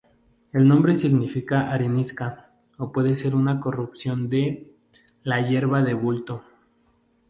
El nombre significa "arenisca" o puede ser una corrupción de "la hierba de bulto".